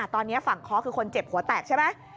ตอนนี้ฝั่งค้อคือคนเจ็บหัวแตกใช่ไหม